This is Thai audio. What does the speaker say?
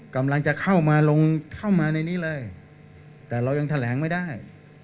กำลังจะเข้ามาลงเข้ามาในนี้เลยแต่เรายังแถลงไม่ได้